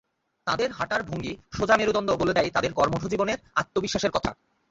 তাঁদের হাঁটার ভঙ্গি, সোজা মেরুদণ্ড বলে দেয় তাঁদের কর্মঠ জীবনের, আত্মবিশ্বাসের কথা।